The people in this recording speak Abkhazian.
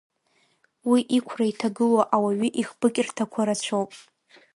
Уи иқәра иҭагылоу ауаҩы ихбыкьырҭақәа рацәоуп.